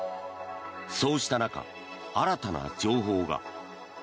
そうした中、新たな情報が。